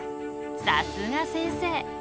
さすが先生。